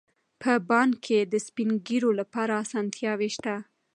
په بانک کې د سپین ږیرو لپاره اسانتیاوې شته.